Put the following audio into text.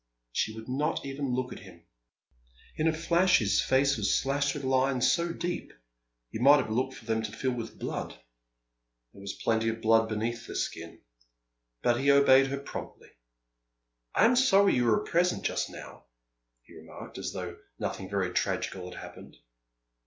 She would not even look at him. In a flash his face was slashed with lines, so deep you might have looked for them to fill with blood. There was plenty of blood beneath the skin. But he obeyed her promptly. "I am sorry you were present just now," he remarked, as though nothing very tragical had happened.